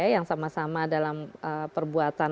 yang sama sama dalam perbuatan